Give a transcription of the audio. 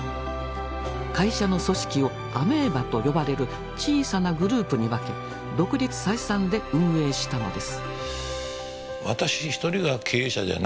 会社の組織をアメーバと呼ばれる小さなグループに分け独立採算で運営したのです。